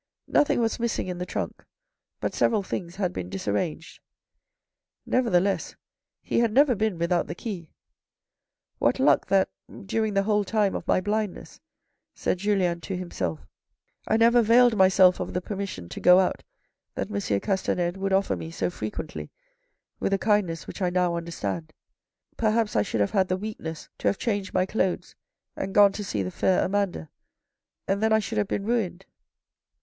Nothing was missing in the trunk, but several things had been dis arranged. Nevertheless, he had never been without the key. What luck that, during the whole time of my blindness, said Julien to himself, I never availed myself of the permission to go out that Monsieur Castanede would offer me so frequently, with a kindness which I now understand. Perhaps I should have had the weakness to have changed my clothes and gone to see the fair Amanda, and then I should have been ruined.